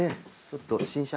新車。